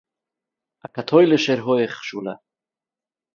אַ קאַטוילישער הויך-שולע